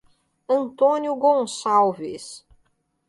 Antônio Gonçalves